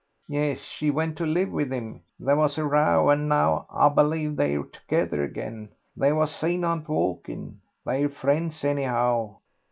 "Yes, she went to live with him. There was a row, and now, I believe, they're together again; they was seen out walking. They're friends, anyhow.